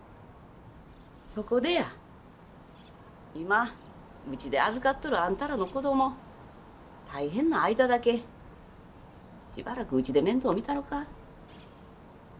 そこでや今うちで預かっとるあんたらの子ども大変な間だけしばらくうちで面倒見たろか？